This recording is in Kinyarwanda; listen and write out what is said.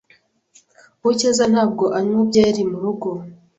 Uwicyeza ntabwo anywa byeri murugo.